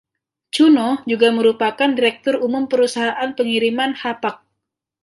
Cuno juga merupakan direktur umum perusahaan pengiriman Hapag.